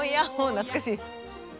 懐かしい。